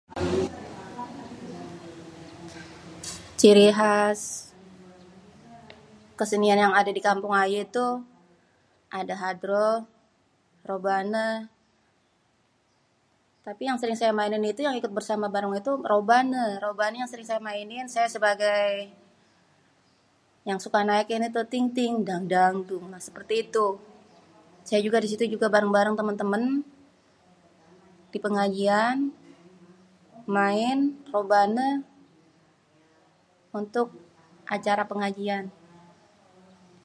ciri khas, kesenian yang adê dikampung ayê tuh, adê hadroh, robanê, tapi yang sering saya maeinin tuh ikut bersamê tuh robanê, robanê yang sering ayê maênin saya sebagai, yang suka naikin tuh ting-ting dan-dang terus seperti itu saya disitu juga barêng temen-temen, dipegajian main robanê untuk acara pengajian.